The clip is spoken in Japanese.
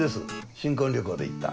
新婚旅行で行った。